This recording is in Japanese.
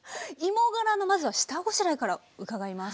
芋がらのまずは下ごしらえから伺います。